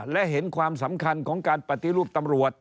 และเห็นความสำคัญของการปฏิรูปตำรวจ